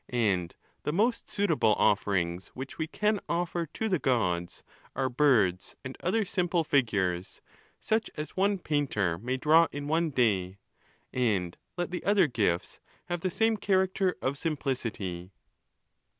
And the most suitable offerings which we can offer to the Gods are birds, and other simple figures, such as one painter may draw in one day; and let the other gifts have the same character of simplicity."